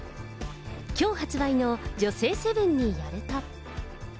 きょう発売の女性セブンによると。